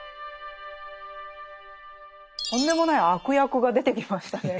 とんでもない悪役が出てきましたね。